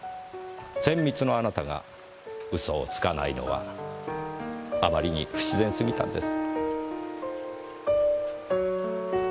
せんみつのあなたが嘘をつかないのはあまりに不自然すぎたんです。